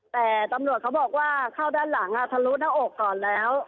แต่ตำรวจเขาบอกว่าเข้าด้านหลังทะลุหน้าอกก่อนแล้ว